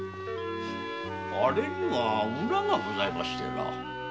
あれにはウラがございましてな。